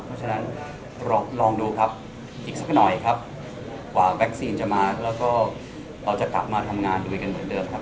เพราะฉะนั้นลองดูครับอีกสักหน่อยครับกว่าวัคซีนจะมาแล้วก็เราจะกลับมาทำงานด้วยกันเหมือนเดิมครับ